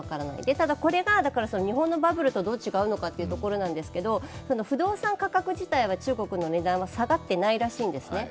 ただこれが日本のバブルとどう違うのかということなんですけど不動産価格自体は中国の値段は下がってないらしいんですね。